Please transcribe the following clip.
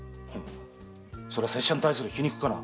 それは拙者に対する皮肉かな。